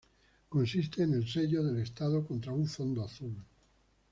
Consiste en el sello del estado contra un fondo azul.